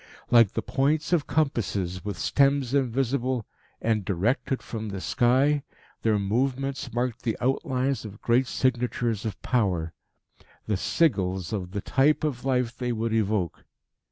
Like the points of compasses, with stems invisible, and directed from the sky, their movements marked the outlines of great signatures of power the sigils of the type of life they would evoke.